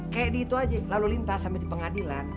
kayak gitu aja lalu lintas sampe di pengadilan